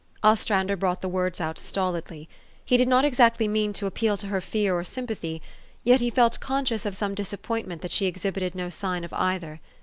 Ostrander brought the words out stolidly. He did not exactly mean to appeal to her fear or sym pathy ; yet he felt conscious of some disappointment that she exhibited no sign of either.